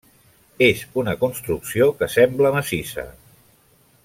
És una construcció que sembla massissa.